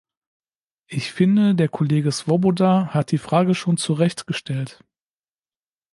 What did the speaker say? Ich finde, der Kollege Swoboda hat die Frage schon zu Recht gestellt.